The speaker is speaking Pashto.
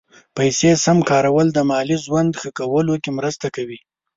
پیسې سم کارول د مالي ژوند ښه کولو کې مرسته کوي.